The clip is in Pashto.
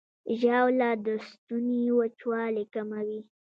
ژاوله د ستوني وچوالی کموي.